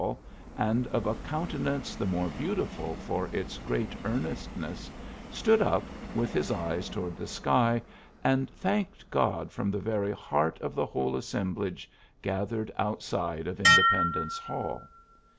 ll, and of a countenance the more beautiful for its great earnest ness, stood up, with his eyes toward the sky, and thanked God from the very heart of the whole assemblage gathered outside of Independence Hall.